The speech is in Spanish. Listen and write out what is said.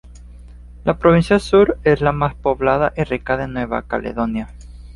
La Provincia Sur es la más poblada y rica de Nueva Caledonia.